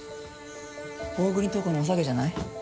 大國塔子のおさげじゃない？